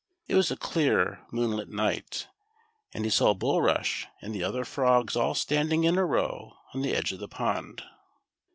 It was a clear moonlight night, and he saw Bulrush and the other frogs all standing in a row on the o.'X'gQ. of the pond.